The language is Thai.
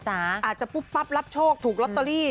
อาจจะปุ๊บปั๊บรับโชคถูกลอตเตอรี่